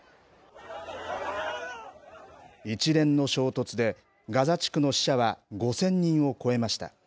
一連の衝突で、ガザ地区の死者は５０００人を超えました。